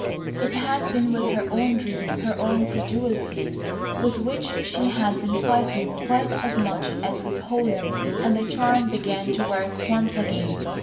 It had been with her own dream, her own credulity with which she had been fighting quite as much as with Holland, and the charm began to work once again.